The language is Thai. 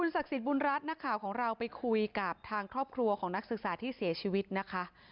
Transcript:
ศักดิ์สิทธิบุญรัฐนักข่าวของเราไปคุยกับทางครอบครัวของนักศึกษาที่เสียชีวิตนะคะ